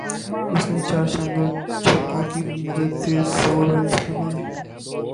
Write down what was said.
اس نے چار شاندار چھکوں کی مدد سے سو رنز بنائے